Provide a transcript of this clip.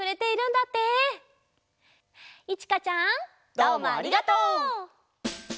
どうもありがとう！